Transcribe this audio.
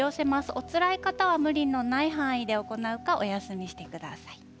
おつらい方は無理の範囲で行うかお休みしてください。